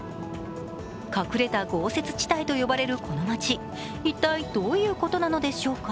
隠れた豪雪地帯と呼ばれるこの町、一体どういうことなのでしょうか？